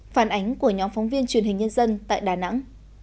phản ánh của nhóm phóng viên truyền hình nhân dân tại đà nẵng